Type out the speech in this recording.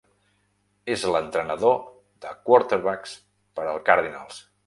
És l'entrenador de quarterbacks per als Cardinals.